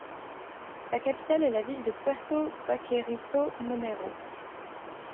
Sa capitale est la ville de Puerto Baquerizo Moreno.